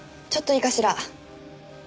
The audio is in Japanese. ちょっといいかしら。